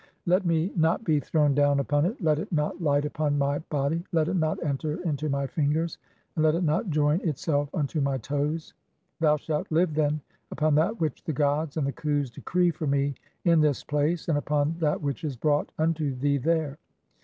Let "[me] not be thrown down upon it, let it not light upon my "body, let it not enter into my fingers, (4) and let it not join "itself unto my toes. Thou shalt live, then, upon that which "the gods and the Khus decree for me in this place and upon "that which is brought unto thee there.